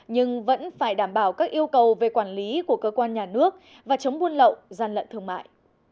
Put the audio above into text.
nhưng vẫn phải đảm bảo các yêu cầu về quản lý của cơ quan nhà nước và chống buôn lậu gian lận thương mại